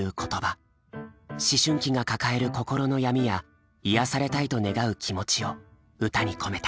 思春期が抱える心の闇や癒やされたいと願う気持ちを歌に込めた。